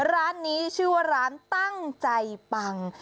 ร้านนี้ชื่อว่าร้านตั้งใจปัง